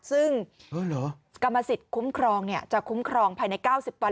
ซึ่งกรรมสิทธิ์คุ้มครองจะคุ้มครองภายใน๙๐วัน